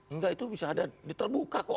enggak itu bisa ada diterbuka kok